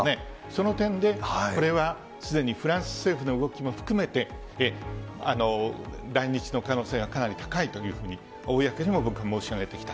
その点で、これはすでにフランス政府の動きも含めて、来日の可能性がかなり高いというふうに公にも僕、申し上げてきた。